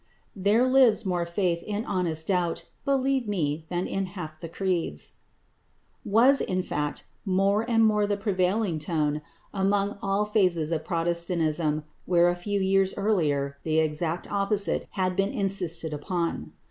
"There lives more faith in honest doubt, Believe me, than in half the creeds" was, in fact, more and more the prevailing tone among all phases of Protestantism where a few years earlier the exact opposite had been insisted upon.